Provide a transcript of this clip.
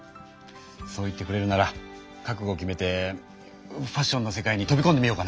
そう言ってくれるなら覚ごを決めてファッションの世界に飛びこんでみようかな。